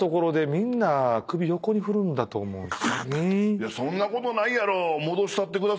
いやそんなことないやろ。